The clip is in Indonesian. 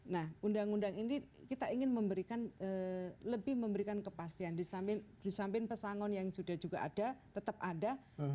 nah undang undang ini kita ingin memberikan lebih memberikan kepastian di samping pesangon yang sudah juga ada tetap ada